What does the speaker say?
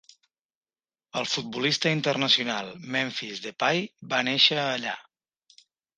El futbolista internacional Memphis Depay va néixer allà.